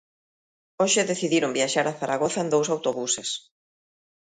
Hoxe decidiron viaxar a Zaragoza en dous autobuses.